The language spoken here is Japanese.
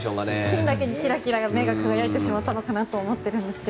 金だけに目がキラキラ輝いてしまったのかなと思ってるんですが。